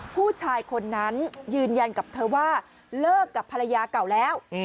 ผู้ชายคนนั้นยืนยันกับเธอว่าเลิกกับภรรยาเก่าแล้ว